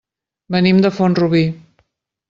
Venim de Font-rubí.